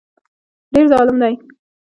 ډېر ظالم دی